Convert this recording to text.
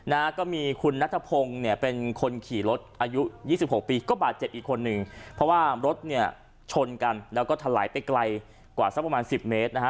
นะฮะก็มีคุณนัทพงศ์เนี่ยเป็นคนขี่รถอายุยี่สิบหกปีก็บาดเจ็บอีกคนนึงเพราะว่ารถเนี่ยชนกันแล้วก็ถลายไปไกลกว่าสักประมาณสิบเมตรนะฮะ